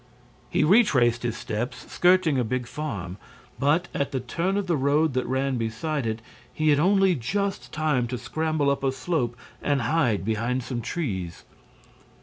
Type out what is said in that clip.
He retraced his steps, skirting a big farm. But, at the turn of the road that ran beside it, he had only just time to scramble up a slope and hide behind some trees.